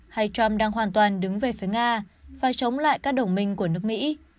hay trump đang hoàn toàn đứng về phía nga và chống lại các đồng minh của nước mỹ